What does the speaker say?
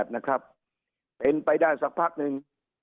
๒๕๑๘นะครับเป็นไปได้สักพักนึง